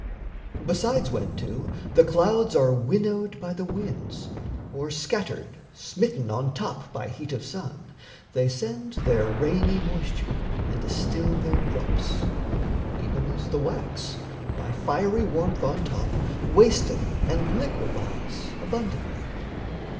Besides when, too, The clouds are winnowed by the winds, or scattered Smitten on top by heat of sun, they send Their rainy moisture, and distil their drops, Even as the wax, by fiery warmth on top, Wasteth and liquefies abundantly.